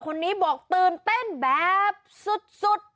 คนนี้บอกตื่นเต้นแบบสุด